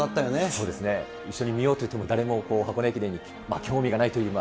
そうですね、一緒に見ようといっても誰も箱根駅伝に興味がないというか。